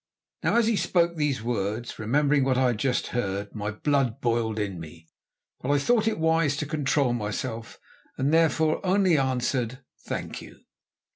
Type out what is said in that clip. Now, as he spoke these words, remembering what I had just heard, my blood boiled in me, but I thought it wise to control myself, and therefore only answered: "Thank you."